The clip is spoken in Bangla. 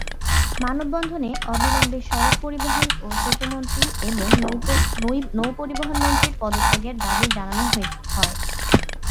মানববন্ধনে অবিলম্বে সড়ক পরিবহন ও সেতুমন্ত্রী এবং নৌপরিবহনমন্ত্রীর পদত্যাগের দাবি জানানো হয়।